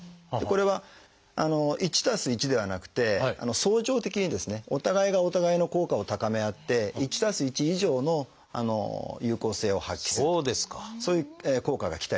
これは「１＋１」ではなくて相乗的にですねお互いがお互いの効果を高め合って「１＋１」以上の有効性を発揮するそういう効果が期待できます。